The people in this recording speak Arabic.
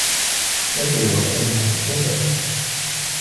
يبدو وكأنّها ستمطر.